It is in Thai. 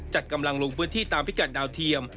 จัดกำลังลงพื้นที่ตามพิกัดดาวเทียม